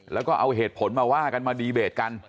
แล้วก็เอาเหตุผลมาว่ากันมาดีเบตกัน